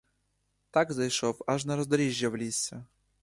Так зайшов аж на роздоріжжя в лісі.